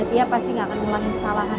dia pasti gak akan mengulangi kesalahan